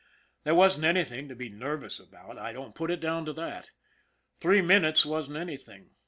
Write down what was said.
There wasn't anything to be nervous about. I don't put it down to that. Three minutes wasn't anything.